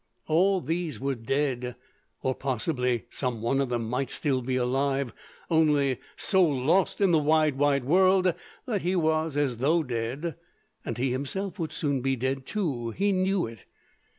All these were dead, or possibly some one of them might be still alive, only so lost in the wide, wide world, that he was as though dead. And he himself would soon be dead too—he knew it.